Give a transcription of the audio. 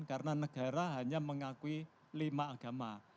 karena negara hanya mengakui lima agama